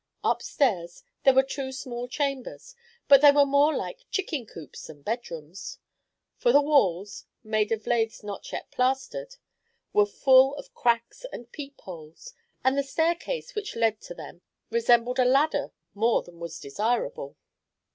Upstairs were two small chambers, but they were more like chicken coops than bedrooms; for the walls, made of laths not yet plastered, were full of cracks and peep holes, and the staircase which led to them resembled a ladder more than was desirable.